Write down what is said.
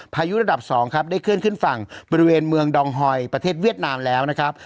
ยุระดับ๒ครับได้เคลื่อนขึ้นฝั่งบริเวณเมืองดองฮอยประเทศเวียดนามแล้วนะครับ